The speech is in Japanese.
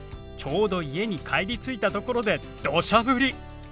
ちょうど家に帰りついたところでどしゃ降り。